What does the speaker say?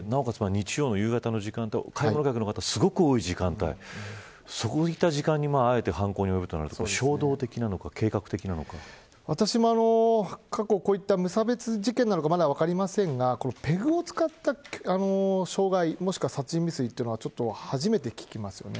日曜の夕方の時間で買い物客の方がすごく多い時間帯そういった時間にあえて犯行に及ぶというのは私も過去にこういった無差別事件なのかまだ分かりませんがペグを使った傷害もしくは殺人未遂というのは初めて聞きますよね。